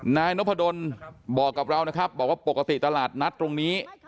นายนพดลบอกกับเรานะครับบอกว่าปกติตลาดนัดตรงนี้